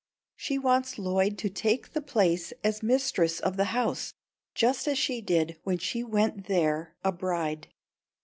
She wants Lloyd to take the place as mistress of the house just as she did when she went there a bride.